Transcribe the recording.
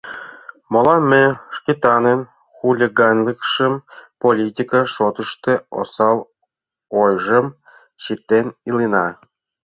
Молан ме Шкетанын хулиганлыкшым, политика шотышто осал ойжым чытен илена?